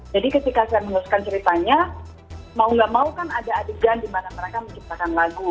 jadi ketika saya mengusungkan ceritanya mau gak mau kan ada adegan di mana mereka menciptakan lagu